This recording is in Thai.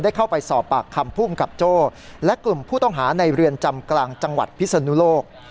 เข้าไปสอบปากคำภูมิกับโจ้และกลุ่มผู้ต้องหาในเรือนจำกลางจังหวัดพิศนุโลก